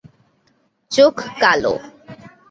চোখ কালো।